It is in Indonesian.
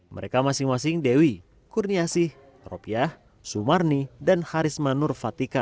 mereka masing masing dewi kurniasih ropiah sumarni dan harisma nurfatika